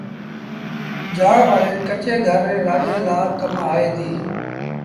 جآݩ وري ڪچي گھر ري رآڳي لآ ڪم آئي ديٚ